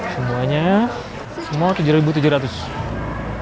semuanya semua tujuh tujuh ratus